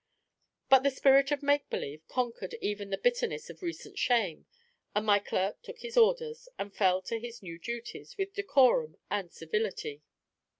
But the spirit of make believe conquered even the bitterness of recent shame; and my clerk took his orders, and fell to his new duties, with decorum and civility.